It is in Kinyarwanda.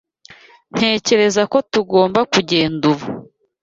Ntekereza ko tugomba kugenda ubu.